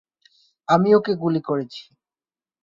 আমিই ওকে গুলি করেছি।